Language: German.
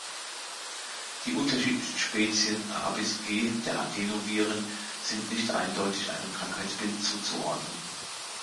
Die unterschiedlichen Spezies A–G der Adenoviren sind nicht eindeutig einem Krankheitsbild zuzuordnen.